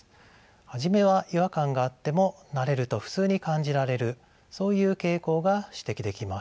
初めは違和感があっても慣れると普通に感じられるそういう傾向が指摘できます。